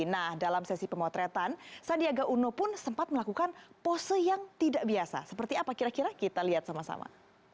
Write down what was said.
nah dalam sesi pemotretan sandiaga uno pun sempat melakukan pose yang tidak biasa seperti apa kira kira kita lihat sama sama